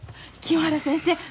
清原先生